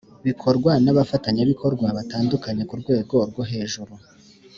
bikorwa n abafatanyabikorwa batandukanye ku rwego rwo hajuru